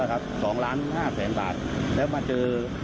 แล้วครับ๒ล้าน๕แต่งวิบาทและมาเจอ